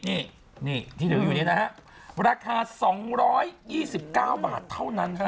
นี่นี่ที่จะอยู่นี่นะคะราคาสองร้อยยี่สิบเก้าบาทเท่านั้นค่ะ